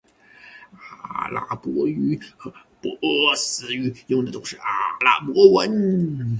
阿拉伯语和波斯语用的都是阿拉伯文。